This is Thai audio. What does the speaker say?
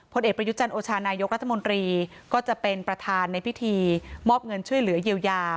ผลเอกประยุจันทร์โอชานายกรัฐมนตรีก็จะเป็นประธานในพิธีมอบเงินช่วยเหลือเยียวยา